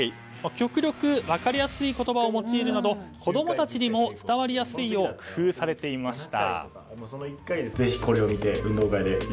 極力分かりやすい言葉を用いるなど子供たちにも伝わりやすいよう工夫されていました。